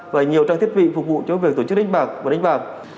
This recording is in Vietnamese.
và nhiều trang thiết bị phục vụ cho việc tổ chức đánh bạc và đánh bạc